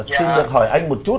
xin được hỏi anh một chút